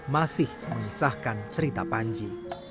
masih mengisahkan cerita panji